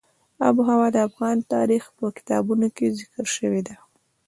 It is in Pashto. آب وهوا د افغان تاریخ په کتابونو کې ذکر شوې ده.